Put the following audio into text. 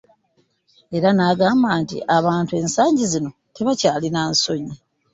Era n'agamba nti abantu ensangi zino tebakyalina nsonyi